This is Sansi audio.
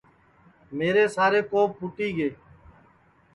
میرے سارے کوپ پھوٹی گے